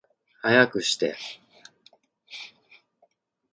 早くして